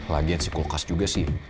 lagian si kulkas juga sih